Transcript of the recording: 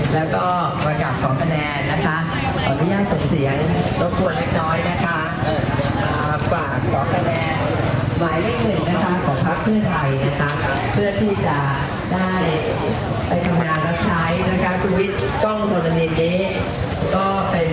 เราก็เลยขอให้วิทย์เนี้ยนะคะซึ่งเป็นคนดีคนเก่ง